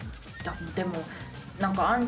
でも。